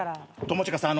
友近さん